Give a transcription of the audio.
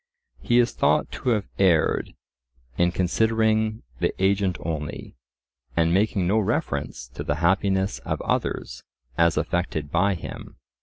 He is thought to have erred in "considering the agent only, and making no reference to the happiness of others, as affected by him."